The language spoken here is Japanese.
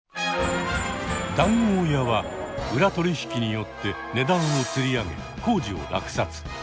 談合屋は裏取引によって値段をつり上げ工事を落札。